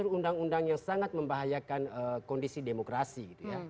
untuk undang undang yang sangat membahayakan kondisi demokrasi